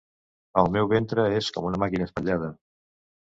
El meu ventre és com una màquina espatllada.